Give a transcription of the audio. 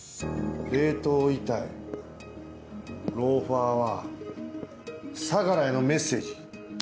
冷凍遺体ローファーは相良へのメッセージ。